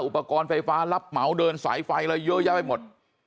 อุปกรณ์ไฟฟ้ารับเหมาเดินสายไฟอะไรเยอะแยะไปหมด